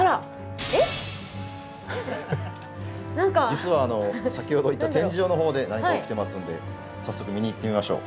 実は先ほどいた展示場のほうで何か起きてますんで早速見に行ってみましょう。